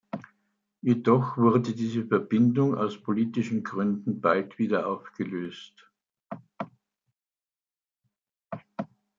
Jedoch wurde diese Verbindung aus politischen Gründen bald wieder aufgelöst.